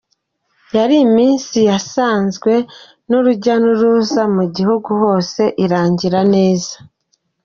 yari iminsi yaranzwe n’urujya n’uruza mu gihugu hose, irangira neza.